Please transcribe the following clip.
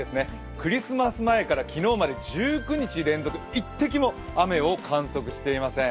クリスマス前から昨日まで１９日連続、一滴も雨を観測していません。